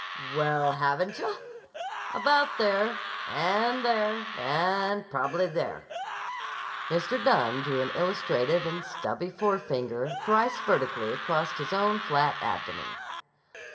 "Well, haven't yah? About there—and there—and prob'ly there." Mr. Dunne drew an illustrative and stubby forefinger thrice vertically across his own flat abdomen.